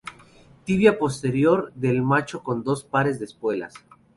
Tibia posterior del macho con dos pares de espuelas.